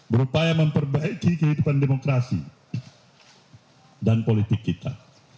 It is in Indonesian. berupaya memperbaiki kehidupan demokrasi dan politik kita